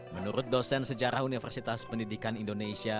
menurut dosen sejarah universitas pendidikan indonesia